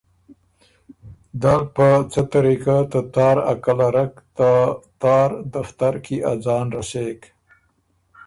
دل په څه طریقۀ ته تار ا کلرک ته تار دفتر کی ا ځان رسېک